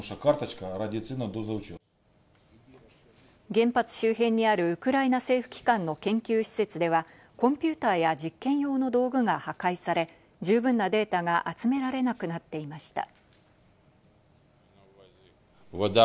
原発周辺にあるウクライナ政府機関の研究施設では、コンピューターや実験用の道具が破壊され、十分なデータが集められなくなっていました。